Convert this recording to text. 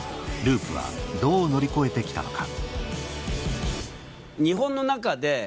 ＬＵＵＰはどう乗り越えて来たのか？